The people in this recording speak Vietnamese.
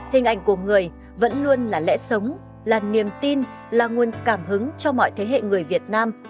hình ảnh của người vẫn luôn là lẽ sống là niềm tin là nguồn cảm hứng cho mọi thế hệ người việt nam